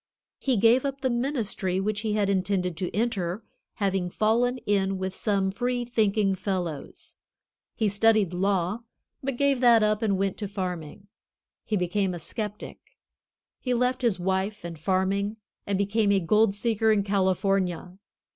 He gave up the ministry which he had intended to enter, having fallen in with some free thinking fellows. He studied law, but gave that up and went to farming. He became a skeptic. He left his wife and farming and became a gold seeker in California.